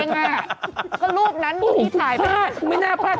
ก็รูปนั้นรูปที่ถ่ายไปโอ้โฮพลาดไม่น่าพลาด